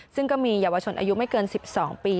ซึ่งก็มีเยาวชนอายุไม่เกิน๑๒ปี